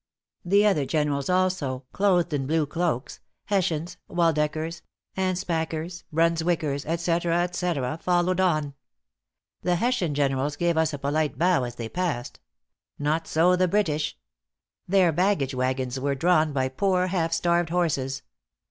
The other generals also clothed in blue cloaks Hessians, Waldeckers, Anspackers, Bruns wickers, etc., etc., followed on. The Hessian generals gave us a polite bow as they passed. Not so the British. Their baggage wagons [were] drawn by poor, half starved horses.